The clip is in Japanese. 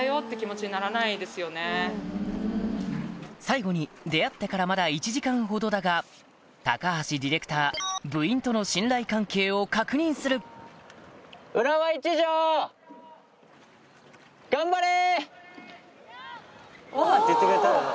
最後に出会ってからまだ１時間ほどだが高橋ディレクター部員との信頼関係を確認する「ヤッ！」って言ってくれたよね。